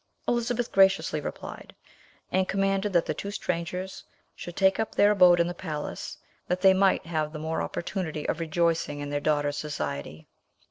Elizabeth graciously replied, and commanded that the two strangers should take up their abode in the palace, that they might have the more opportunity of rejoicing in their daughter's society.